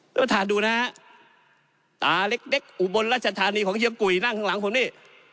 ประธานดูนะฮะตาเล็กอุบลรัชธานีของเฮียกุยนั่งข้างหลังผมนี่